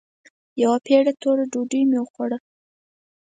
يوه پېړه توره ډوډۍ مې وخوړه.